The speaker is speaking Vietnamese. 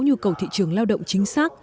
nhu cầu thị trường lao động chính xác